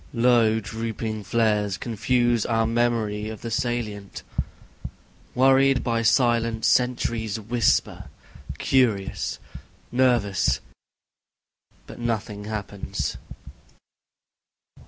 . Low drooping flares confuse our memory of the salient ... Worried by silence, sentries whisper, curious, nervous, But nothing happens.